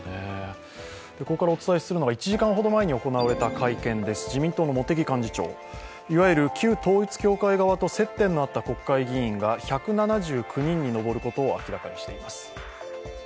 ここからお伝えするのが１時間ほど前に行われた会見です、自民党の茂木幹事長いわゆる旧統一教会側と接点のあった国会議員が１７９人に上ることを明らかにしています。